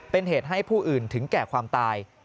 เป็นเหตุให้ผู้อื่นถึงแก่ความตาย